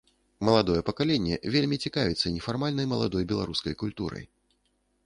Маладое пакаленне вельмі цікавіцца нефармальнай маладой беларускай культурай.